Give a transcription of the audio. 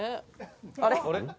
「あれ？